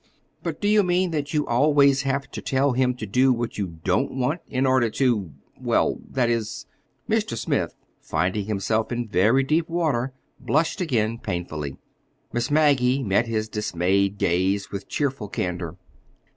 "But do you mean that you always have to tell him to do what you don't want, in order to—well—that is—" Mr. Smith, finding himself in very deep water, blushed again painfully. Miss Maggie met his dismayed gaze with cheerful candor.